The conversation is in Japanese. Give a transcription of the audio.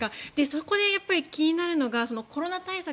そこで気になるのがコロナ対策